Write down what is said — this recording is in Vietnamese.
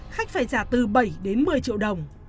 khách phải trả từ bảy đến một mươi triệu đồng